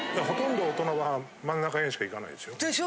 ほとんど大人は真ん中にしかいかないですよ。